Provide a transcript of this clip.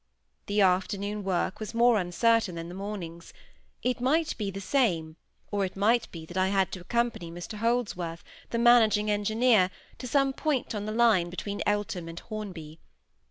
The afternoon work was more uncertain than the morning's; it might be the same, or it might be that I had to accompany Mr Holdsworth, the managing engineer, to some point on the line between Eltham and Hornby.